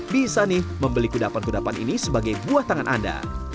bisa nih membeli kudapan kudapan ini sebagai buah tangan anda